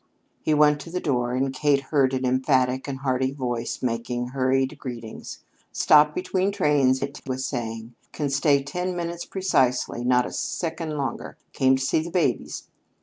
He went to the door, and Kate heard an emphatic and hearty voice making hurried greetings. "Stopped between trains," it was saying. "Can stay ten minutes precisely not a second longer. Came to see the babies."